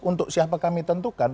untuk siapa kami tentukan